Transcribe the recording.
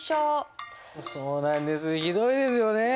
そうなんですひどいですよね。